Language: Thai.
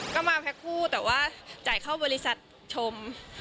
ก็มาแพ็คคู่แต่ว่าจ่ายเข้าบริษัทชม